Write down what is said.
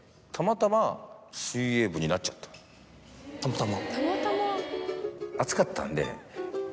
たまたま？